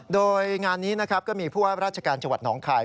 โดยงานนี้ก็มีราชการจวดน้องคาย